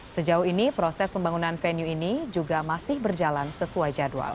sejauh ini proses pembangunan venue ini juga masih berjalan sesuai jadwal